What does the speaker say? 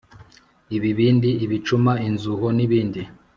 ibibindi, ibicuma, inzuho n’ibindi,